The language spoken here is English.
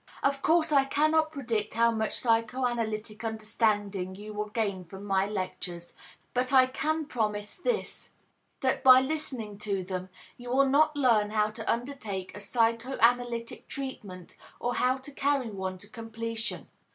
Of course I cannot predict how much psychoanalytic understanding you will gain from my lectures, but I can promise this, that by listening to them you will not learn how to undertake a psychoanalytic treatment or how to carry one to completion.